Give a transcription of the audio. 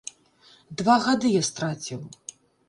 Два гады я страціў.